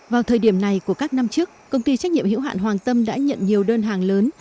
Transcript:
vào thời điểm này của các năm trước công ty trách nhiệm hữu hạn hoàng tâm đã nhận nhiều đơn hàng lớn